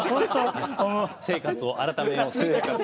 生活を改めようと。